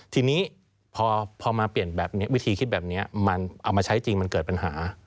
ทีนี้พอมาเปลี่ยนแบบนี้วิธีคิดแบบนี้มันเอามาใช้จริงมันเกิดปัญหา